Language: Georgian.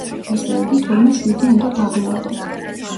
ესე იგი, თურმე შვიდი უნდა დავუმატოთ.